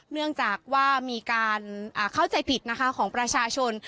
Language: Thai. เนื่องจากว่ามีการเข้าใจผิดนะคะของประชาชน